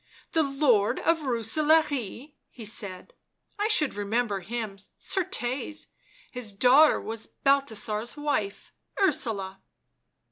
" The Lord of Booselaare?" he said. "I should remember him, certes; his daughter was Balthasar's wife — Ursula."